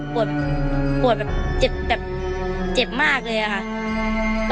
ปวดปวดแบบเจ็บแบบเจ็บมากเลยอะค่ะ